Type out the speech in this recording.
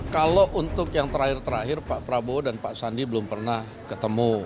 kalau untuk yang terakhir terakhir pak prabowo dan pak sandi belum pernah ketemu